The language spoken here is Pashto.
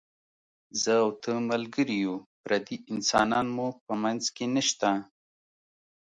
زه او ته ملګري یو، پردي انسانان مو په منځ کې نشته.